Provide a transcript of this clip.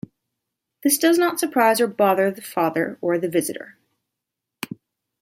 This does not surprise or bother the father, or the visitor.